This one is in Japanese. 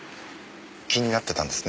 気になってたんですね